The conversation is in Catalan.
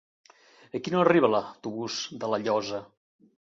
A quina hora arriba l'autobús de La Llosa?